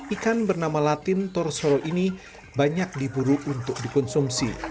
ikan bernama latin torsoro ini banyak diburu untuk dikonsumsi